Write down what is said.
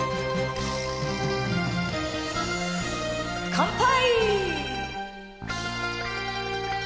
乾杯！